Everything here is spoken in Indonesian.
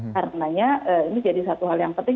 karena ini jadi satu hal yang penting